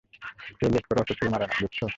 কেউ লোড করা অস্ত্র ছুঁড়ে মারে না, বুঝেছো?